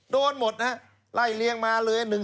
โดนหมดนะฮะไล่เลี้ยงมาเลย